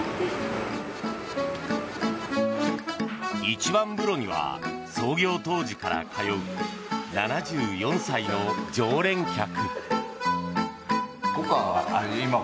一番風呂には創業当時から通う７４歳の常連客。